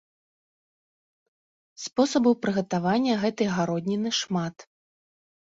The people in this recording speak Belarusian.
Спосабаў прыгатавання гэтай гародніны шмат.